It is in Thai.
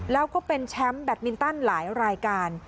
แล้วก็เป็นแชมป์แบตมินตันหลายรายการ